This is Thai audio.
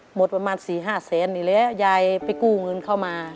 หมดประมาณ๔๕แสนนี่แล้วยายไปกู้เงินเข้ามา